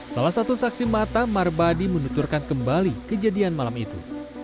salah satu saksi mata marbadi menuturkan kembali kejadian malam itu